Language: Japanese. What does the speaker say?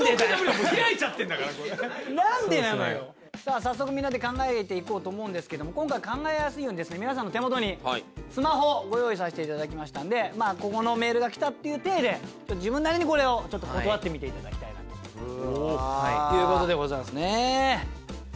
早速みんなで考えて行こうと思うんですけども今回考えやすいように皆さんの手元にスマホご用意させていただきましたんでこのメールが来たっていう体で自分なりにこれを断ってみていただきたいなということでございますね。